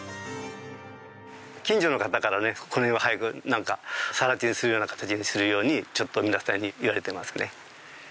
近所の方からねこの辺は早くなんか更地にするような形にするようにちょっと皆さんに言われてますね。